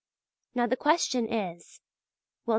Now the question is, will T.